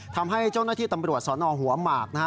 ทำให้เจ้าหน้าที่ตำรวจสนหัวหมากนะฮะ